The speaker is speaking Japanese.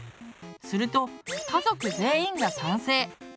すると家族全員が賛成。